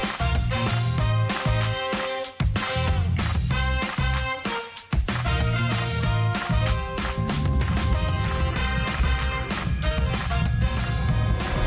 เพลง